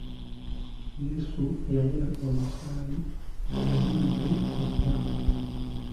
Yesu yabuna omusaayi ku mubiri gwe gwonna.